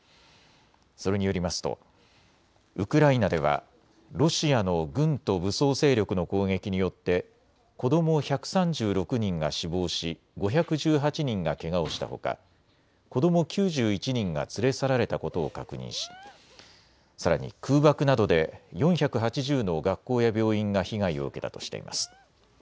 それによりますとウクライナではロシアの軍と武装勢力の攻撃によって子ども１３６人が死亡し５１８人がけがをしたほか子ども９１人が連れ去られたことを確認しさらに空爆などで４８０の学校や病院が被害を受けたとしています。